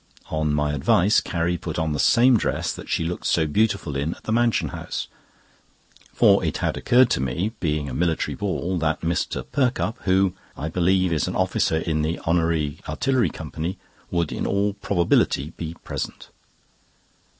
On my advice, Carrie put on the same dress that she looked so beautiful in at the Mansion House, for it had occurred to me, being a military ball, that Mr. Perkupp, who, I believe, is an officer in the Honorary Artillery Company, would in all probability be present.